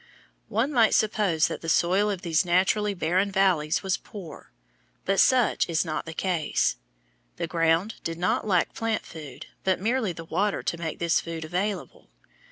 One might suppose that the soil of these naturally barren valleys was poor, but such is not the case. The ground did not lack plant food, but merely the water to make this food available.